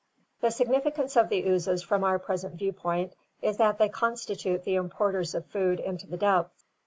— The significance of the oozes from our present viewpoint is that they constitute the importers of food into the depths.